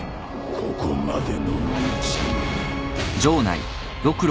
ここまでの道のり。